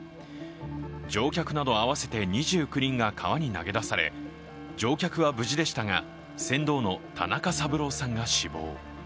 乗客など会わせて２９人が川に投げ出され乗客は無事でしたが船頭の田中三郎さんが死亡。